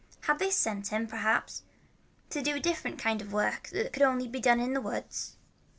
Had they sent him, perhaps, to do a different kind of work that could only be done in the woods?